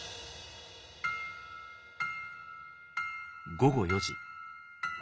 午後４時。